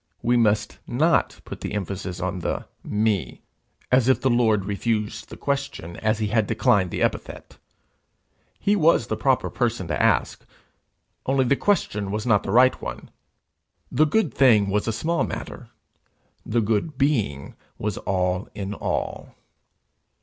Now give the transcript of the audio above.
we must not put emphasis on the me, as if the Lord refused the question, as he had declined the epithet: he was the proper person to ask, only the question was not the right one: the good thing was a small matter; the good Being was all in all.